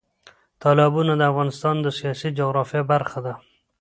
تالابونه د افغانستان د سیاسي جغرافیه برخه ده.